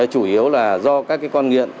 chủ yếu là do các con nghiện